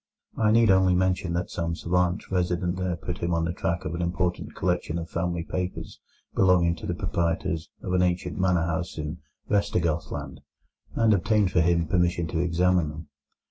I need only mention that some savant resident there put him on the track of an important collection of family papers belonging to the proprietors of an ancient manor house in Vestergothland, and obtained for him permission to examine them.